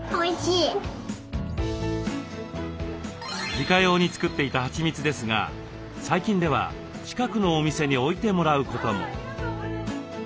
自家用に作っていたはちみつですが最近では近くのお店に置いてもらうことも。